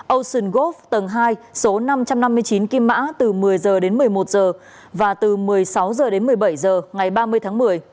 ocean golf tầng hai số năm trăm năm mươi chín kim mã từ một mươi h đến một mươi một h và từ một mươi sáu h đến một mươi bảy h ngày ba mươi tháng một mươi